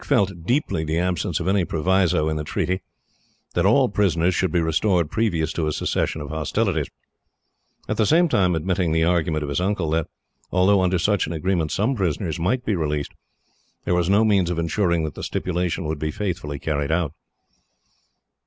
Dick felt deeply the absence of any proviso, in the treaty, that all prisoners should be restored previous to a cessation of hostilities; at the same time admitting the argument of his uncle that, although under such an agreement some prisoners might be released, there was no means of insuring that the stipulation would be faithfully carried out.